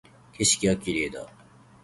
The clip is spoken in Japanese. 景色が綺麗だ